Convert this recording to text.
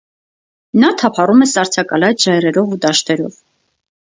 Նա թափառում է սառցակալած ժայռերով ու դաշտերով։